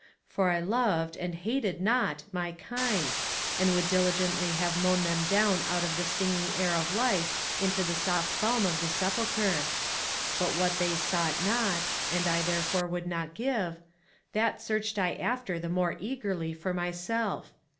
for I loved and hated not my kind, and would diligently have mown them down out of the stinging air of life into the soft balm of the sepulchre. But what they sought not, and I therefore would not give, that searched I after the more eagerly for myself.